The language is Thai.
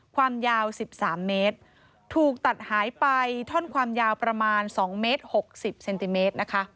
ความยาว๑๓เมตรถูกตัดหายไปท่อนความยาวประมาณ๒เมตร๖๐เซนติเมตรนะคะ